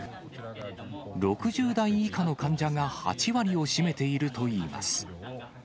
６０代以下の患者が８割を占めているといいます。